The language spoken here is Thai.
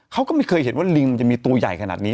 เขาก็ไม่เคยเห็นว่าลิงมันจะมีตัวใหญ่ขนาดนี้